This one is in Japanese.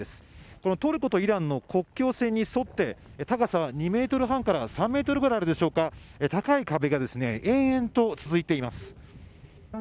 このトルコとイランの国境線に沿って、高さ２メートル半から３メートルぐらいあるでしょうか、高い壁が、延々と続いています。